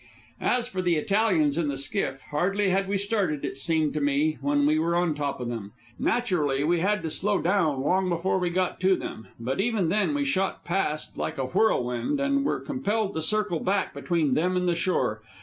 As for the Italians in the skiff hardly had we started, it seemed to me, when we were on top of them. Naturally, we had to slow down long before we got to them; but even then we shot past like a whirlwind and were compelled to circle back between them and the shore.